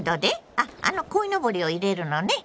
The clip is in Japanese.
あっあのこいのぼりを入れるのね？